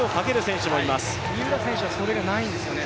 三浦選手は、それがないんですよね。